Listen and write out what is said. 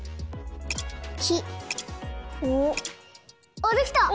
あっできた！